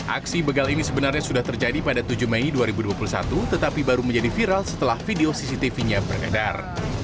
aksi begal ini sebenarnya sudah terjadi pada tujuh mei dua ribu dua puluh satu tetapi baru menjadi viral setelah video cctv nya beredar